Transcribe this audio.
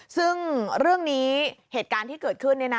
ซึ่งเรื่องนี้เหตุการณ์ที่เกิดขึ้น